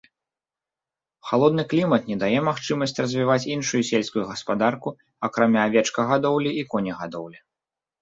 Халодны клімат не дае магчымасць развіваць іншую сельскую гаспадарку, акрамя авечкагадоўлі і конегадоўлі.